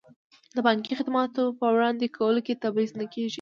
د بانکي خدماتو په وړاندې کولو کې تبعیض نه کیږي.